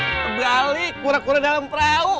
kebalik kura kura dalam perahu